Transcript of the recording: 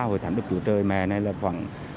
hội thánh đức chúa trời mẹ này là khoảng